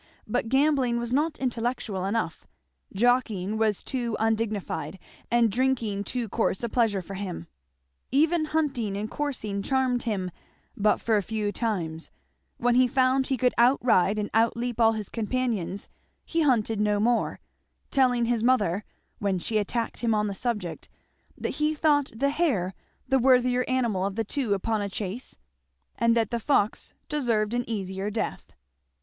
But gambling was not intellectual enough, jockeying was too undignified, and drinking too coarse a pleasure for him. Even hunting and coursing charmed him but for a few times; when he found he could out ride and out leap all his companions, he hunted no more; telling his mother, when she attacked him on the subject, that he thought the hare the worthier animal of the two upon a chase; and that the fox deserved an easier death.